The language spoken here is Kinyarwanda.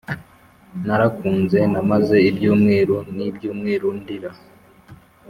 narakunze Namaze ibyumweru n ibyumweru ndira